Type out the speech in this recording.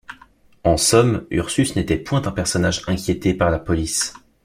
En somme, Ursus n’était point un personnage inquiété par la police.